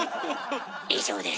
以上です。